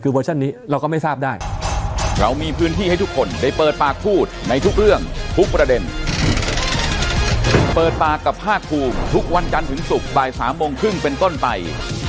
คือเวอร์ชั่นนี้เราก็ไม่ทราบได้